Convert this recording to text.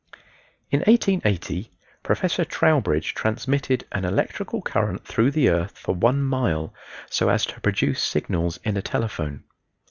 In 1880 Professor Trowbridge transmitted an electrical current through the earth for one mile so as to produce signals in a telephone.